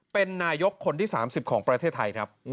เป็นนายกคนที่๓๐ของประเทศไทยครับ